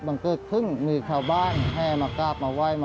มันเกิดขึ้นมีชาวบ้านให้มักกล้าบมาไหว